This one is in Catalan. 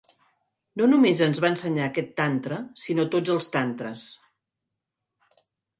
No només ens va ensenyar aquest tantra, sinó tots els tantres.